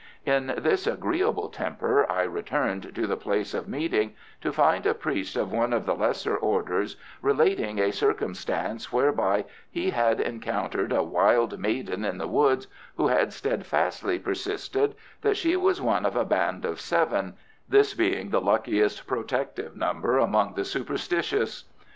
In this agreeable temper I returned to the place of meeting to find a priest of one of the lesser orders relating a circumstance whereby he had encountered a wild maiden in the woods, who had steadfastly persisted that she was one of a band of seven (this being the luckiest protective number among the superstitious).